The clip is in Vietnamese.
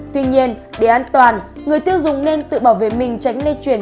tuy nhiên để an toàn người tiêu dùng nên tự bảo vệ mình tránh lây chuyển